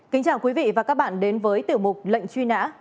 kính chào quý vị và các bạn đến với tiểu mục lệnh truy nã